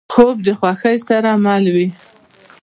خوب د خوښۍ سره مل وي